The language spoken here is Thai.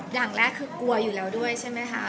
อย่างแรกคือกลัวอยู่แล้วด้วยใช่ไหมคะ